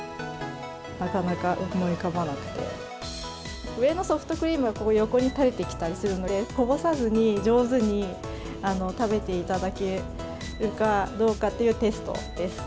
なかなか思い浮かばなくて、上のソフトクリームが横にたれてきたりするので、こぼさずに、上手に食べていただけるかどうかっていうテストです。